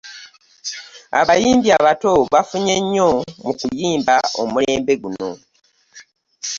Abayimbi abato bafunye nnyo mu kuyimba omulembe guno.